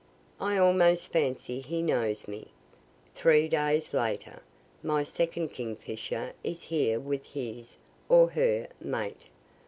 I almost fancy he knows me. Three days later. My second kingfisher is here with his (or her) mate.